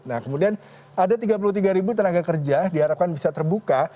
nah kemudian ada tiga puluh tiga ribu tenaga kerja diharapkan bisa terbuka